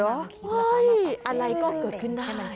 เฮ้ยอะไรก็เกิดขึ้นได้